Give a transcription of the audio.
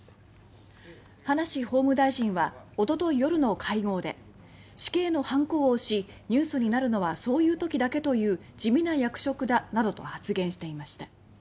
葉梨法務大臣はおととい夜の会合で「死刑のはんこを押しニュースになるのはそういう時だけという地味な役職だ」などと発言していました。